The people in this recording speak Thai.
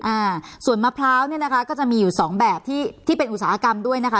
อ่าส่วนมะพร้าวเนี่ยนะคะก็จะมีอยู่สองแบบที่ที่เป็นอุตสาหกรรมด้วยนะคะ